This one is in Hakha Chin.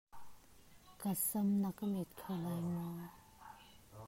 Ka sam na ka met kho lai maw?